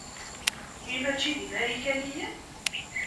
Wi mačči d imarikaniyen?